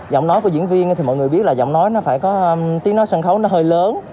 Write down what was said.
giọng nói của diễn viên thì mọi người biết là giọng nói nó phải có tiếng nói sân khấu nó hơi lớn